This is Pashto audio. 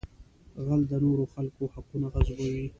غل د نورو خلکو حقونه غصبوي